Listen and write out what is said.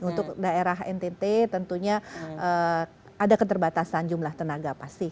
untuk daerah ntt tentunya ada keterbatasan jumlah tenaga pasti